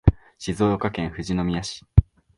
静岡県富士宮市